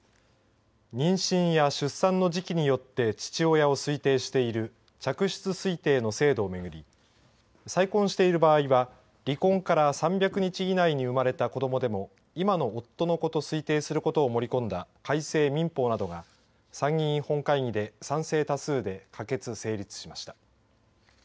妊娠や出産の時期によって父親を推定している嫡出推定の制度を巡り再婚している場合は離婚から３００日以内に生まれた子どもでも今の夫の子と推定することを盛り込んだ改正民法などが参議院本会議で賛成多数で可決、成立しました。